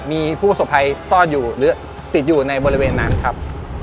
มีผู้สบภัยซ่อนอยู่หรือติดอยู่ในบริเวณนั้นครับ